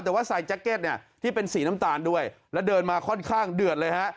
แต่ว่าใส่แจ็คเก็ตเนี่ยที่เป็นสีน้ำตาลด้วยแล้วเดินมาค่อนข้างเดือดเลยฮะ